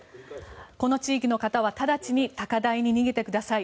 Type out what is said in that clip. この地域の方は直ちに高台に逃げてください。